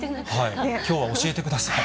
きょうは教えてください。